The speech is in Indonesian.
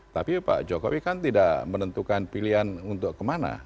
tapi pak jokowi kan tidak menentukan pilihan untuk kemana